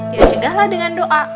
ya cegahlah dengan doa